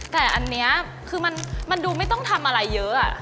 แต่อันนี้คือมันดูไม่ต้องทำอะไรเยอะ